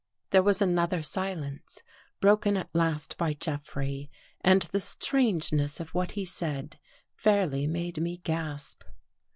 There was another silence, broken at last by Jeff rey and the strangeness of what he said, fairly made me gasp.